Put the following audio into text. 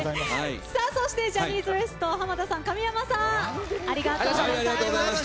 そして、ジャニーズＷＥＳＴ濱田さん、神山さんありがとうございました。